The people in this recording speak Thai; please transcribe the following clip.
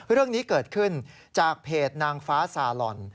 เรื่องนี้เกิดขึ้นจากเพจเต็มเพ้อน์นางฟ้าซาลอน